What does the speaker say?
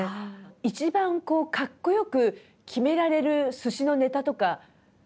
一番こうかっこ良く決められる寿司のネタとかありますか？